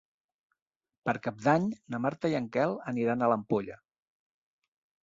Per Cap d'Any na Marta i en Quel aniran a l'Ampolla.